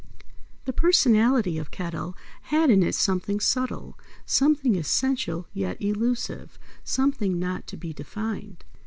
The personality of Kettle had in it something subtle; something essential yet elusive; something not to be defined.